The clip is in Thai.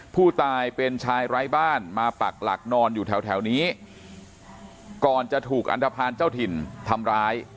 ผู้ตายเป็นชายไร้บ้านมาปักหลักนอนอยู่แถวแถวนี้ก่อนจะถูกอันทภาณเจ้าถิ่นทำร้าย